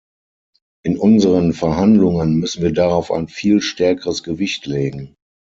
In unseren Verhandlungen müssen wir darauf ein viel stärkeres Gewicht legen.